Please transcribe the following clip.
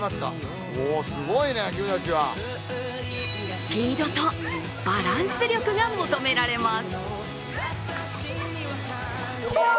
スピードとバランス力が求められます。